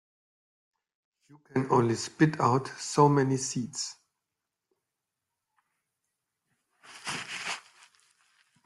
You can only spit out so many seeds.